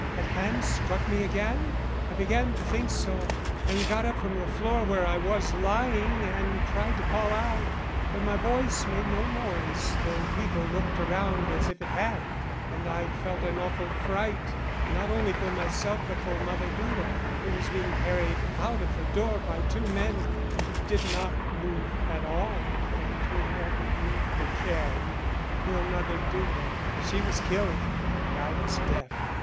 Had Hans struck me again? I began to think so, and got up from the floor where I was lying and tried to call out, but my voice made no noise though people looked around as if it had, and I felt an awful fright, not only for myself but for Mother Duda, who was being carried out of the door by two men, and who did not move at all and who never moved again. Poor Mother Duda, she was killed and I was deaf.